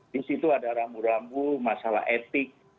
disitu ada rambu rambu masalah etik